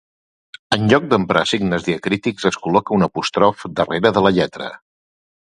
En lloc d'emprar signes diacrítics es col·loca un apòstrof darrere de la lletra.